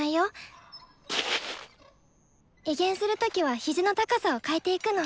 移弦する時は肘の高さを変えていくの。